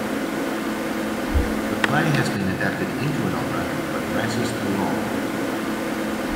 The play has been adapted into an opera by Francis Poulenc.